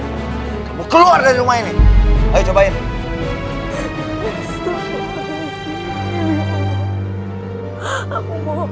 aku mau mandi tolong di rumah ini